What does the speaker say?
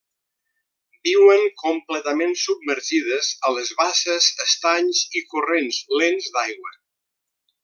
Viuen completament submergides a les basses, estanys i corrents lents d'aigua.